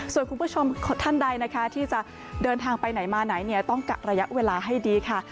ส่วนคุณผู้ชมท่านใดนะคะที่จะเดินทางไปไหนมาไหนเนี่ยต้องกักระยะเวลาให้ดีค่ะ